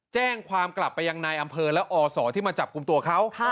แจ้งความกลับไปยังนายอำเภอและอศที่มาจับกลุ่มตัวเขา